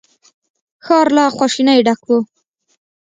ښار له خواشينۍ ډک و.